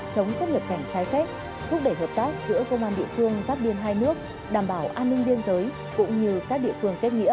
chống xuất nhập cảnh trái phép thúc đẩy hợp tác giữa công an địa phương giáp biên hai nước đảm bảo an ninh biên giới cũng như các địa phương kết nghĩa